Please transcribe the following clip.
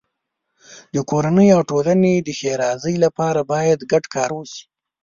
د کورنۍ او ټولنې د ښېرازۍ لپاره باید ګډ کار وشي.